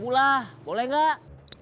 satu enam ratus lah boleh enggak